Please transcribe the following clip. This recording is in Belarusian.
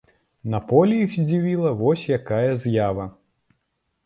На полі іх здзівіла вось якая з'ява.